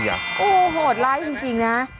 โอ้โหโหดร้ายจริงนะ